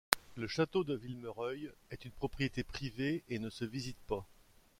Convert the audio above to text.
Le château de Villemereuil est une propriété privée et ne se visite pas.